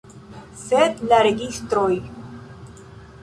Sed la registroj!